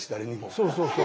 そうそうそう。